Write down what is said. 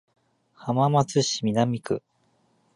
浜松市南区